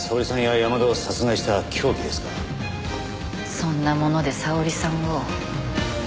そんなもので沙織さんを。